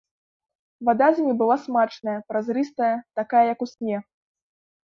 Вада з ім была смачная, празрыстая, такая як у сне.